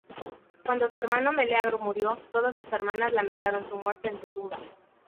Cuando su hermano Meleagro murió, todas sus hermanas lamentaron su muerte en su tumba.